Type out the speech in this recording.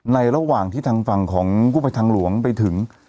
ระหว่างที่ทางฝั่งของกู้ภัยทางหลวงไปถึง